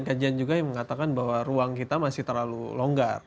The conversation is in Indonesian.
kajian juga yang mengatakan bahwa ruang kita masih terlalu longgar